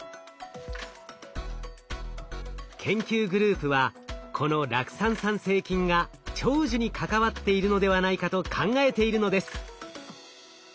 研究グループはこの酪酸産生菌が長寿に関わっているのではないかと考えているのです。